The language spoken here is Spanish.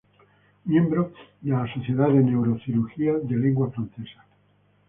Miembro de la Sociedad de Neurocirugía de Lengua Francesa.